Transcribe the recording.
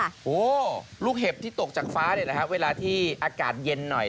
โอ้โหลูกเห็บที่ตกจากฟ้าเนี่ยแหละครับเวลาที่อากาศเย็นหน่อย